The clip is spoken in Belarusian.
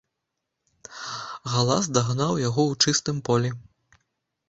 Галас дагнаў яго ў чыстым полі.